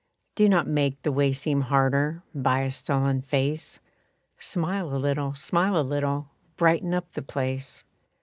Do not make the way seem harder By a sullen face, Smile a little, smile a little, Brighten up the place.